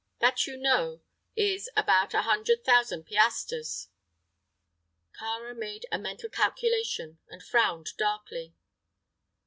That, you know, is about a hundred thousand piastres." Kāra made a mental calculation and frowned darkly.